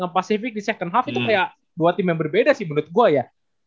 pacific di second hub itu kayak dua tim yang berbeda sih menurut gue ya